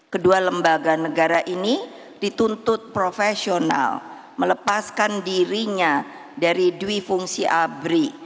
kedua lembaga negara ini dituntut profesional melepaskan dirinya dari dwi fungsi abri